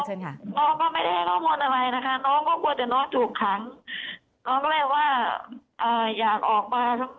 น้องก็ไม่ได้ให้ข้อมูลอะไรนะคะน้องก็กลัวแต่นอกถูกครั้งน้องก็เรียกว่าอยากออกมาทั้งนอก